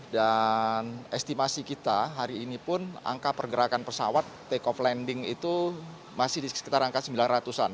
dan estimasi kita hari ini pun angka pergerakan pesawat take off landing itu masih di sekitar angka sembilan ratus an